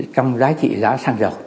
trong giá trị giá xăng dầu